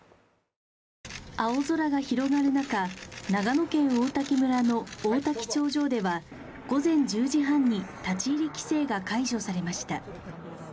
青空が広がる中、長野県王滝村の王滝頂上では、午前１０時半に立ち入り規制が解除されました。